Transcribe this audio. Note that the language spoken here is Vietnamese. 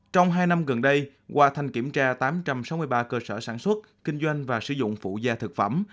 trong hai năm gần đây qua thanh kiểm tra tám trăm sáu mươi ba cơ sở sản xuất kinh doanh và sử dụng phụ gia thực phẩm